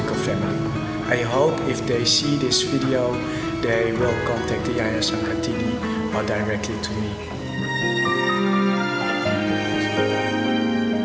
kami tidak bisa mencari orang tua yang berada di dalam kandung